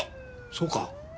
そうか。